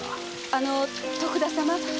あの徳田様。